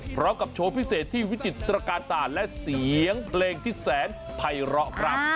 พร้อมกับโชว์พิเศษที่วิจิตรการตาและเสียงเพลงที่แสนภัยร้อครับ